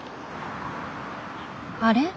あれ？